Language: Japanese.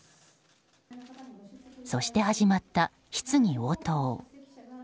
そして始まった質疑応答。